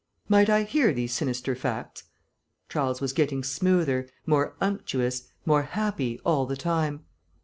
"Might I hear these sinister facts?" Charles was getting smoother, more unctuous, more happy, all the time.